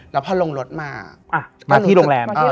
แล้วพอลงรถมาก็รู้สึก